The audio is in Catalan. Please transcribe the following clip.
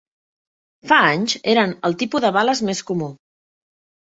Fa anys, eren el tipus de bales més comú.